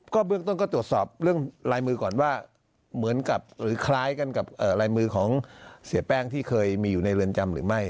เบื้องต้นก็ตรวจสอบเรื่องลายมือก่อนว่าเหมือนกับหรือคล้ายกันกับลายมือของเสียแป้งที่เคยมีอยู่ในเรือนจำหรือไม่